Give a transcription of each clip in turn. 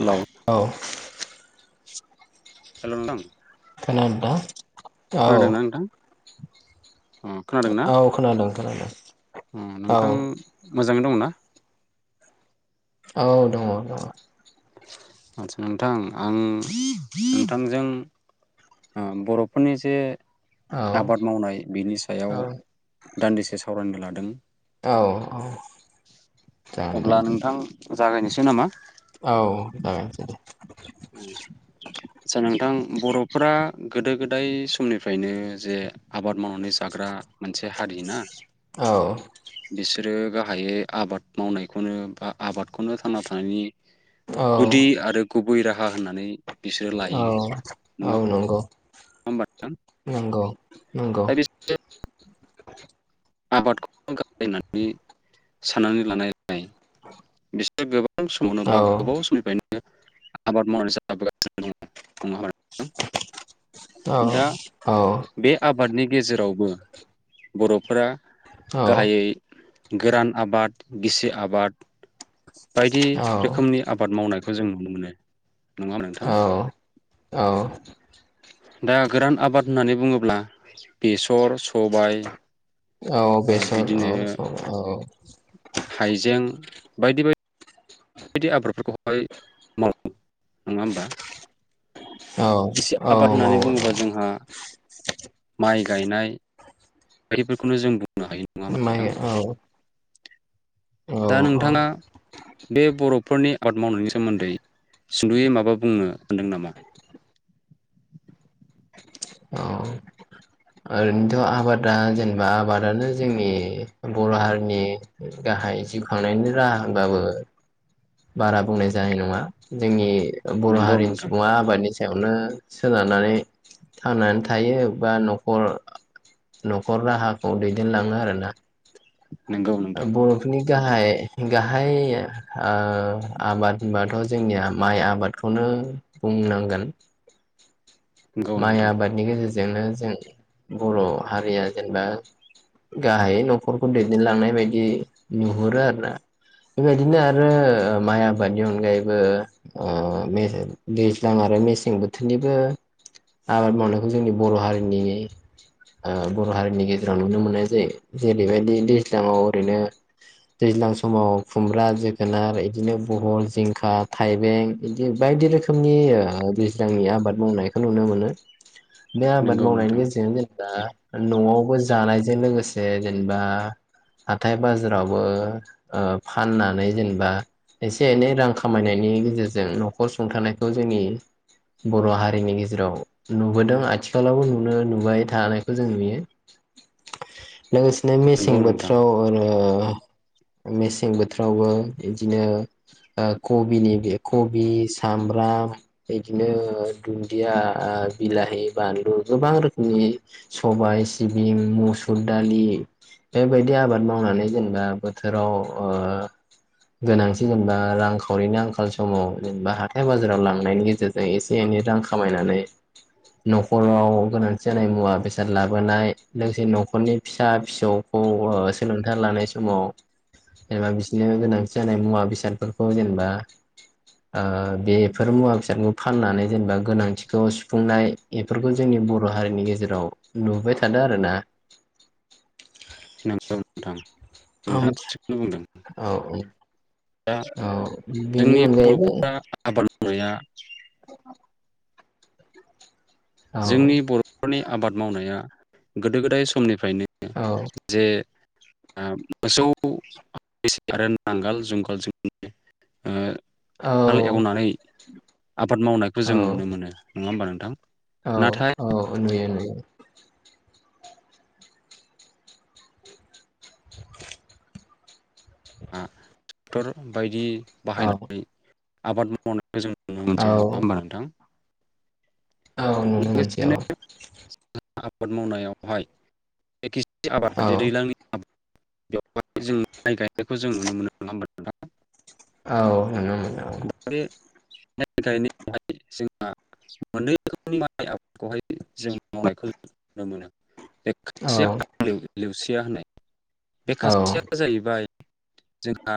Hello औ hello नोंथां खोनादो दा? औ खोनादोंना नोंथां? औ खोनादों खोनादों उम औ नोंथां मोजाङै दङ' ना? [inaudible] औ दङ दङ। आचचा नोंथां आं नोंथांजों ओ बर'फोरनि जे आबाद औ मावनाय बिनि सायाव दान्दिसे सावरायनो लादों औ औ जागोन दे अब्ला नोंथां जागायनोसै नामा? औ जागायनोसै दे आचसा नोंथां बर'फोरा गोदो गोदाय समनिफ्रायनो जे आबाद मावनानै जाग्रा मोनसे हारि ना औ बि सोरो गाहायै आबाद मावनायखौनो बा आबादखौनो थांना थानायनि औ गुदि आरो गु बै राहा होननानै बिसोरो लायो औ नङा औ नंगौ होमबा नोंथां नंगौ नंगौ दा बे [inaudible] आबादखौ गायनानै [unintelligible] बिसोर गोबां समावनो औ बा गोबाव समनिफ्रायनो आबाद मावनानै जाबोगासिनो दङ' नङा होमबा [inaudible] दा औ बे आबादनि गेजेरावबो बर'फोरा औ गाहायै गोरान आबाद, गिसि आबाद बायदि रोखोमनि आबाद मावनाय खौ जों नुनो मोनो। नङा होनबा नोंथां औ औ [inaudible] दा गोरान आबाद होननानै बुङोब्ला बेसर, सबाय औ ओ बेसर बिदिनो औ स औ बायदि बाय बेदि आबादफोरखौहाय मावो नङा होमबा? औ एसे औ आबाद होननानै मावो औ बुङोबा जोंहा माइ गायनाय बायदिफोरखौनो जों बुंनो हायो नङा होमबा माइ नोंथां औ औ दा नोंथाङा औ बे बर'फोरनि आबाद मावनायनि सोमोन्दै सुद'यै माबा बुंनो सानदों नामा? औ ओरैनोथ' आबादा जेनेबा आबादानो जोंनि बर' हारिनि गाहाय जिउ खांनायनि राहा होनबाबो बारा बुंनाय जानाय नङा। जोंनि बर' नोंगौ हारिनि नोंथां सुबुङा आबादनि सायावनो सोनारनानै थांनानै थायो बा न'खर खर न'खर राहाखौ दैदेनलाङो आरोना। नोंगौ नोंथां बर'फोरनि गाहाय गाहाय ओ आबाद होनबाथ' जोंनिया माइ आबादखौनो बुंनांगोन। नोंगौ माय नोंथां आबादनि गेजेरजों जोंनो जों बर' हारिया जेनेबा गाहायै न'खरखौ दैदेनलांनाय बायदि नुहुरो आरोना बेबायदिनो आरो माइ आबादनि अनगायैबो ओ दैज्लां आरो मेसें बोथोरनिबो आबाद मावनायखौ जोंनि बर' हारिनि ओ बर' हारिनि गेजेराव नुनो मोननाय जायो जेरैबायदि दैज्लाङाव ओरैनो दैज्लां समाव खुमब्रा जोगोनार इदिनो बहल जिंखा थाइबें बिदि बायदि रोखोमनि दैज्लांनि आबाद मावनाय खौ नुनो मोनो। बे आबाद नोंगौ मावनायनि नोंथां गोेजेरजों जेनेबा न'आवबो जानायजों लोगोसे जेनेबा हाथाय बाजारावबो ओ फाननानै जेनेबा एसे एनै रां खामायनायनि गेजेरजों न'खर सुंथानायखौ जोंनि बर' हारिनि गेजेर जेराव नुबोदों आथिखालावबो नुनो नुबाय थानायखौ जों नुयो। लोगोसेनो मेसें नोंगौ नोंथां बोथोराव आरो मेसें बोथोरावबो इदिनो ओ कबिनि बि कबि सामब्राम इदिनो दिया बिलाहि बानलु गोबां रोखोमनि सबाय सिबिं मुसुर दालि बेबायदि आबाद मावनानै जेनेबा बोथोराव ओ गोनांथि जेनेबा रांखावरिनि आंखाल समाव जेनेबा हाथाय बाजाराव लांनायनि गेजेरजों एसे एनै रां खा खामायनानै न'खराव गोनांथि जानाय मुवा बेसाद लाबोनाय लोगोसे न'खरनि फिसा फिसौखौ सोलोंथाइ लानाय समाव जेनेबा बिसोरनो गोनांथि जानाय मुवा बेसादफोरखौ जेनेबा ओ बेफोर मुवा बेसादखौ फाननानै जेनेबा गोनांथिखौ सुफुंनाय बेफोरखौ जोंनि बर' हारिनि गेजेराव नुबाय थादों आरोना। नगौ नोंथां। नोंथाङा ओमथ थिगखौनो बुंदों औ दा औ बिनि जोंनि अनगायैबो बर'फोरनि [unintelligible] औ जोंनि बर'फोरनि आबाद मावनाया गोदो गोदाय समनि फ्रायनो औ जे मोसौ आरो नांगोल जुंगाल जोंनि ओ औ हाल एवनानै आबाद मावनायखौ औ जों नुनो मोनो नङा होमबा नों थां औ औ नुयो नुयो। [inaudible] आ। ट्रेक्टर बायदि औ बाहायनानै आबाद मावनाय जों नुनो औ मोनसै नङा होमबा नोंथां। औ नुनो मोनसै लोगोसेनो औ। आबाद मावनायावहाय [unintelligible] आबाद औ दैज्लांनि आबाद। बेवहाय जों माइ गायनायखौ जों नुनो मोनो नङा होमबा नोंथां। औ नुनो मोनो औ। [unintelligible] मोनै रोखोमनि माइ आबादखौहाय जों मावनाय खौहाय जों नुनो मोनो। [unintelligible] लेवसिया होनाय बे औ खाथिया जाहैबाय जोंहा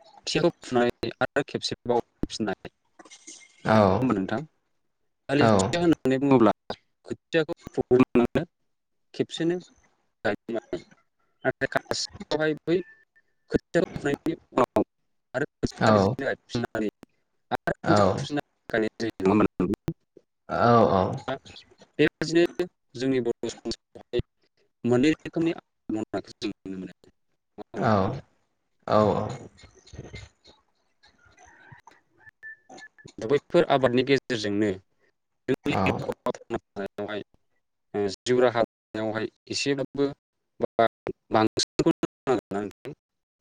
खोथियाखौ फुनानै आरो औ आरो औ खेबसेबाव गायफिननाय [unintelligible] आरो नेवसिनो होननानै बुङोब्ला [unintelligible] [unintelligible] औ [unintelligible] [unintelligible] [unintelligible] [unintelligible] औ औ। नोंथां [unintelligible] होमबा नोंथां औ औ। बैफोर आबादनि गेजेरजोंनो औ [unintelligible] बेवहाय ओ हाय जिउ राहा लावहाय एसेबबो बांसिनखौ [unintelligible]